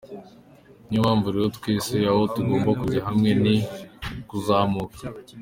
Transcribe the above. Ni yo mpamvu rero twese aho tugomba kujya hamwe, ni kuzamuka.